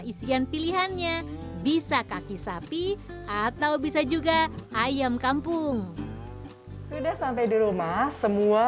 isian pilihannya bisa kaki sapi atau bisa juga ayam kampung sudah sampai di rumah semua